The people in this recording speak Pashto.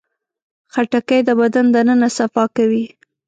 خټکی د بدن دننه صفا کوي.